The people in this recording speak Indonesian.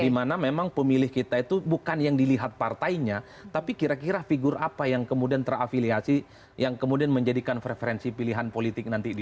dimana memang pemilih kita itu bukan yang dilihat partainya tapi kira kira figur apa yang kemudian terafiliasi yang kemudian menjadikan preferensi pilihan politik nanti di